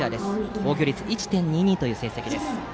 防御率１．２２という成績です。